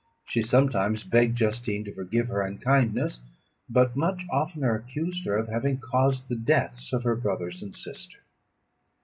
She sometimes begged Justine to forgive her unkindness, but much oftener accused her of having caused the deaths of her brothers and sister.